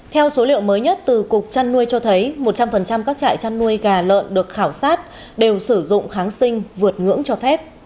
theo số liệu mới nhất từ cục trăn nuôi cho thấy một trăm linh các trại chăn nuôi gà lợn được khảo sát đều sử dụng kháng sinh vượt ngưỡng cho phép